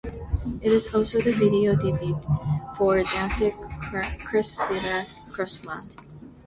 It is also the video debut for dancer Criscilla Crossland.